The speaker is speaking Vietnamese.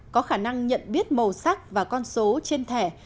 có khả năng nhận biết màu sắc và con số trên thẻ